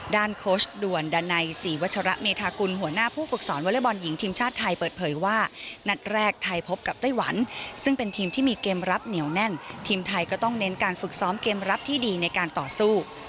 โค้ชด่วนดันัยศรีวัชระเมธากุลหัวหน้าผู้ฝึกสอนวอเล็กบอลหญิงทีมชาติไทยเปิดเผยว่านัดแรกไทยพบกับไต้หวันซึ่งเป็นทีมที่มีเกมรับเหนียวแน่นทีมไทยก็ต้องเน้นการฝึกซ้อมเกมรับที่ดีในการต่อสู้